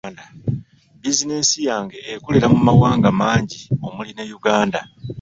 Bizinensi yange okolera mu mawanga mangi omuli ne Uganda.